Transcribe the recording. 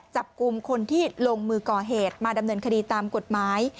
จับกลุ่มคนที่ลงมือก่อเหตุมาดำเนินคดีตามกฎหมาย